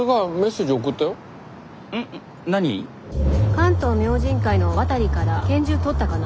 「関東明神会」の渡から拳銃取ったかな？